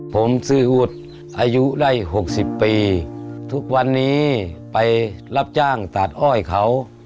ผมซื้ออุดอายุได้๖๐ปีทุกวันนี้ไปรับจ้างตัดอ้อยเขา